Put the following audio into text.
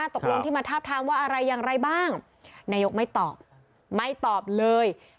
ตกลงที่มาทาบทามว่าอะไรอย่างไรบ้างนายกไม่ตอบไม่ตอบเลย